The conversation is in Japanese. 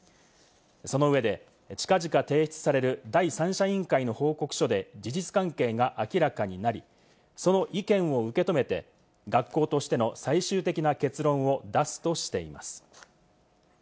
その上で近々提出される第三者委員会の報告書で、事実関係が明らかになり、その意見を受け止めて、学校としての最終的な結論を出すとしています。